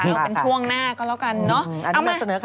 เอาเป็นช่วงหน้าก็แล้วกันเนอะ